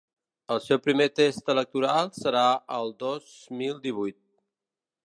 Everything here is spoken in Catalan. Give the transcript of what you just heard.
El seu primer test electoral serà al dos mil divuit.